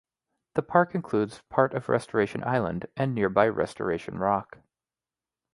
The park includes part of Restoration Island and nearby Restoration Rock.